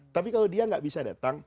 tapi kalau dia nggak bisa datang